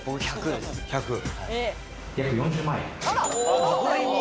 約４０万円。